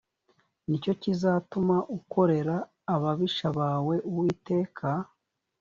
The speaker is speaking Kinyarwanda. ni cyo kizatuma ukorera ababisha bawe uwiteka